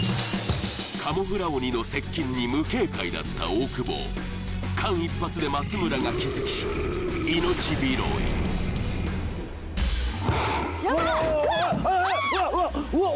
カモフラ鬼の接近に無警戒だった大久保間一髪で松村が気づき命拾いヤバっうわっあーっ！